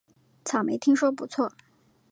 草莓听说不错